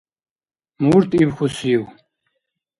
Мурт ибхьусив?